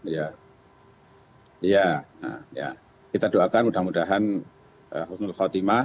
ya kita doakan mudah mudahan husnul khatimah